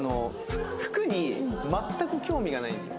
服に全く興味がないんですよ。